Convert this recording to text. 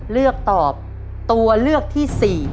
เลือกตอบตัวเลือกที่๔